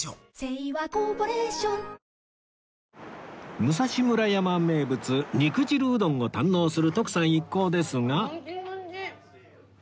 武蔵村山名物肉汁うどんを堪能する徳さん一行ですが